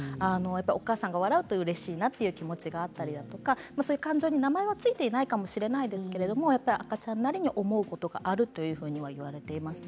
お母さんが笑うとうれしいなっていうかそういう感情に名前は付いていないかもしれないですけれども、赤ちゃんなりに思うことがあるともいわれていますね。